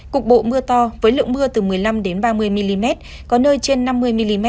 cục bộ mưa to với lượng mưa từ một mươi năm ba mươi mm có nơi trên năm mươi mm